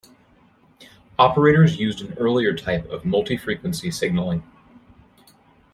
Operators used an earlier type of multi-frequency signaling.